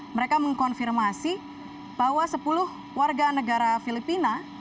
mereka mengkonfirmasi bahwa sepuluh warga negara filipina